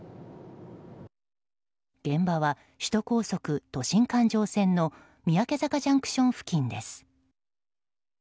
現場は首都高速、都心環状線の三宅坂ＪＣＴ付近です。